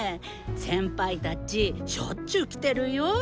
先輩たちしょっちゅう来てるよ。